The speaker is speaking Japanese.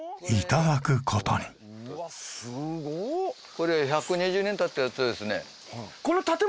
これは１２０年経ってるやつですね。